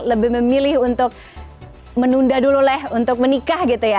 lebih memilih untuk menunda dulu lah untuk menikah gitu ya